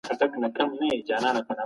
ادارې د هغه له کاره ملاتړ وکړ.